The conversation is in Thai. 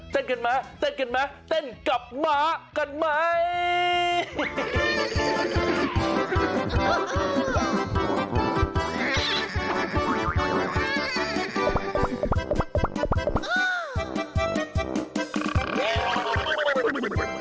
เต้นกันไหมเต้นกันไหมเต้นกับม้ากันไหม